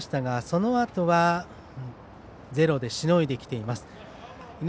初回に２点を失いましたがそのあとはゼロでしのいできています。